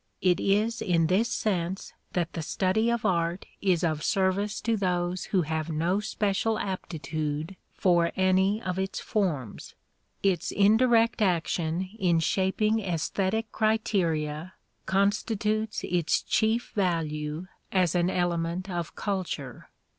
It is in this sense that the study of art is of service to those who have no special aptitude for any of its forms: its indirect action in shaping æsthetic criteria constitutes its chief value as an element of culture.